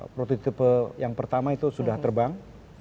prototipe yang pertama itu sudah terbang